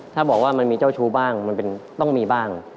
ถ้าบอกว่ามันมีเจ้าชู้บ้างมันต้องมีบ้าง